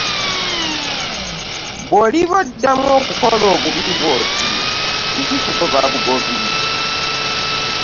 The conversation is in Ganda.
Bwoliddamu okukola obubi bwoti ndikugoba bugobi.